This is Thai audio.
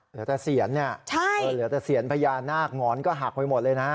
เหลือแต่เสียนพญานาคงอนก็หักไปหมดเลยนะ